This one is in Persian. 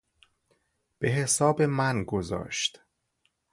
بحساب من گذاشت